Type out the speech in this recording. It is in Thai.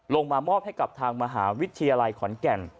มามอบให้กับทางมหาวิทยาลัยขอนแก่น